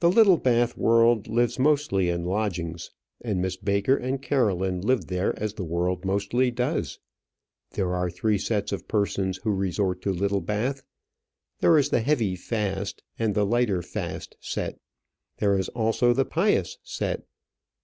The Littlebath world lives mostly in lodgings, and Miss Baker and Caroline lived there as the world mostly does. There are three sets of persons who resort to Littlebath: there is the heavy fast, and the lighter fast set; there is also the pious set.